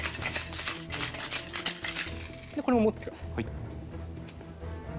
でこれも持っててください。